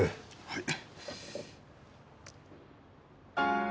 はい。